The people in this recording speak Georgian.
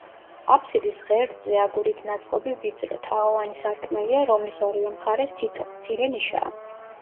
აფსიდის ღერძზე აგურით ნაწყობი ვიწრო, თაღოვანი სარკმელია, რომლის ორივე მხარეს თითო, მცირე ნიშაა.